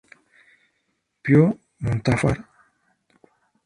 Pío Montúfar y las suites que dan a la calle General Gómez.